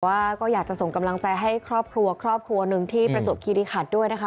ว่าก็อยากจะส่งกำลังใจให้ครอบครัวครอบครัวหนึ่งที่ประจวบคิริขันด้วยนะคะ